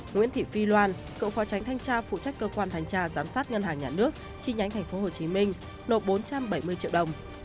nguyễn thị phi loan cựu phó tránh thanh tra phụ trách cơ quan thanh tra giám sát ngân hàng nhà nước chi nhánh tp hcm nộp bốn trăm bảy mươi triệu đồng